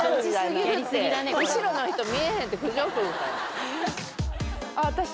後ろの人見えへんって苦情来るから。